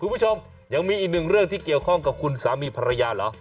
คุณผู้ชมยังมีอีกหนึ่งเรื่องที่เกี่ยวข้องกับคุณสามีภรรยาเหรอ